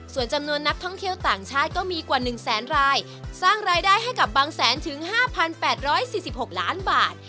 ส่วนจำนวนนักท่องเที่ยวต่างชาติก็มีกว่า๑แสนรายสร้างรายได้ให้กับบางแสนถึง๕๘๔๖ล้านบาท